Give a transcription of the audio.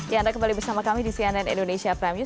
ya anda kembali bersama kami di cnn indonesia prime news